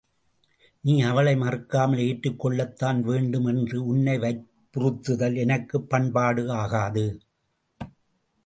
நீ அவளை மறுக்காமல் ஏற்றுக் கொள்ளத்தான் வேண்டும் என்று உன்னை வற்புறுத்துதல் எனக்குப் பண்பாடு ஆகாது.